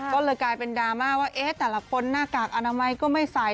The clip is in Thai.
ก็เลยกลายเป็นดราม่าว่าเอ๊ะแต่ละคนหน้ากากอนามัยก็ไม่ใส่